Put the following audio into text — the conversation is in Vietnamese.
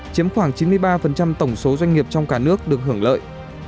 chiếm khoảng chín mươi ba tổng số doanh nghiệp trong cả nước được hưởng lợi